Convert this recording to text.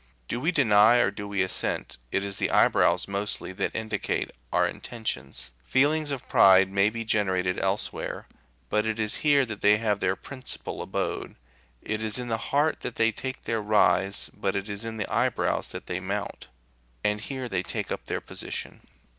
Do we deny or do we assent, it is the eyebrows, mostly, that indicate our intentions. Feelings of pride may be generated elsewhere, but it is here that they have their principal abode ; it is in the heart that they take their rise, but it is to the eyebrows that they mount, and here they take up their position.